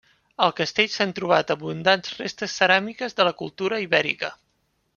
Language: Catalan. Al castell s'han trobat abundants restes ceràmiques de la cultura ibèrica.